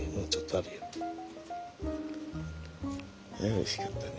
あおいしかったね。